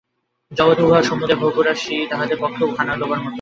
জগৎ ও উহার সমুদয় ভোগরাশি তাঁহাদের পক্ষে খানা-ডোবার মত।